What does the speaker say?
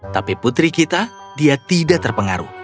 tapi putri kita dia tidak terpengaruh